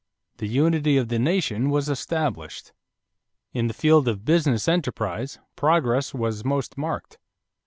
The unity of the nation was established. In the field of business enterprise, progress was most marked.